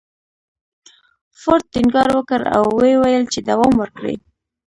فورډ ټينګار وکړ او ويې ويل چې دوام ورکړئ.